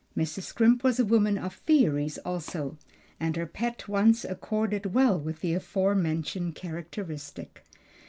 Mrs. Scrimp was a woman of theories also, and her pet one accorded well with the aforementioned characteristic.